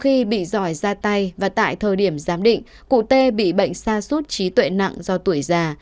khi bị giỏi ra tay và tại thời điểm giám định cụ t bị bệnh sa sút trí tuệ nặng do tuổi già